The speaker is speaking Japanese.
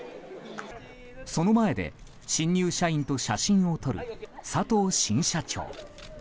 その前で新入社員と写真を撮る佐藤新社長。